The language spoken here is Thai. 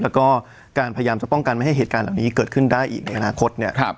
แล้วก็การพยายามจะป้องกันไม่ให้เหตุการณ์เหล่านี้เกิดขึ้นได้อีกในอนาคตเนี่ย